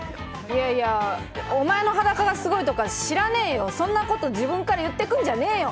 いやいやお前の裸がすごいとか知らねえよ、そんなこと自分から言ってくるんじゃねえよ。